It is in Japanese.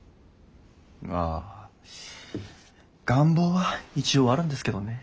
まあ願望は一応あるんですけどね。